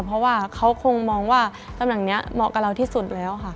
เพราะว่าเขาคงมองว่าตำแหน่งนี้เหมาะกับเราที่สุดแล้วค่ะ